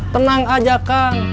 tenang aja kang